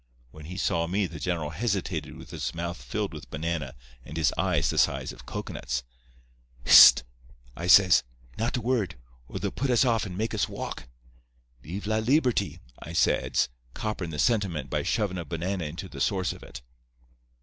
When he saw me the general hesitated with his mouth filled with banana and his eyes the size of cocoanuts. "'Hist!' I says. 'Not a word, or they'll put us off and make us walk. "Veev la Liberty!"' I adds, copperin' the sentiment by shovin' a banana into the source of it.